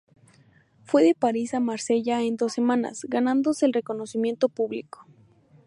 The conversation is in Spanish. Fue de París a Marsella en dos semanas, ganándose el reconocimiento público.